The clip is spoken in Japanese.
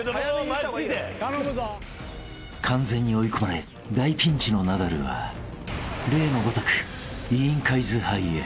［完全に追い込まれ大ピンチのナダルは例のごとく委員会’ｓハイへ］